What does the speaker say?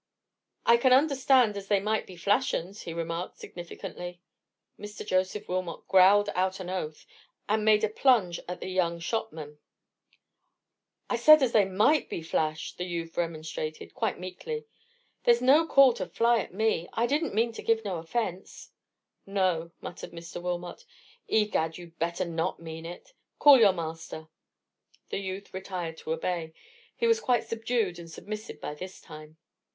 "I can understand as they might be flash uns," he remarked, significantly. Mr. Joseph Wilmot growled out an oath, and made a plunge at the young shopman. "I said as they might be flash," the youth remonstrated, quite meekly; "there's no call to fly at me. I didn't mean to give no offence." "No," muttered Mr. Wilmot; "egad! you'd better not mean it. Call your master." The youth retired to obey: he was quite subdued and submissive by this time.